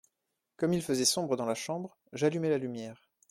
Comme il faisait sombre dans la chambre, j’allumai la lumière.